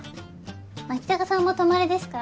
牧高さんも泊まりですか？